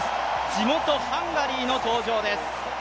地元ハンガリーの登場です。